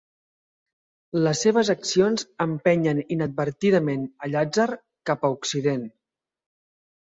Les seves accions empenyen inadvertidament a Llàtzer cap a Occident.